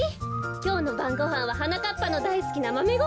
きょうのばんごはんははなかっぱのだいすきなマメごはんよ。